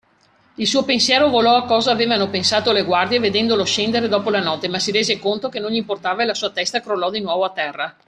Il suo pensiero volò a cosa avevano pensato le guardie vedendolo scendere dopo la notte, ma si rese conto che non gli importava e la sua testa crollò di nuovo a terra.